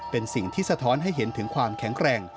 เป็นสิ่งที่สะท้อนให้เห็นถึงความแข็งแกร่ง